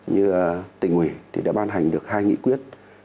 như tỉnh ủy thì đã ban hành được hai nghị quyết